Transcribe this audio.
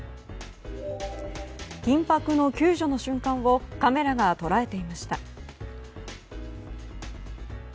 緊迫の救助の瞬間をカメラが捉えていました。